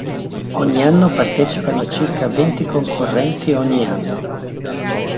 Ogni anno partecipano circa venti concorrenti ogni anno.